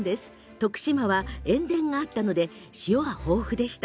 徳島は塩田があったので塩は豊富でした。